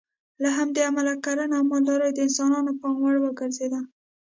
له همدې امله کرنه او مالداري د انسانانو پام وړ وګرځېده.